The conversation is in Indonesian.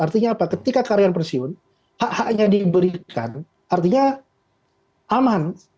artinya apa ketika karyawan pensiun hak haknya diberikan artinya aman